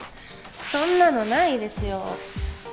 そんなのないですよ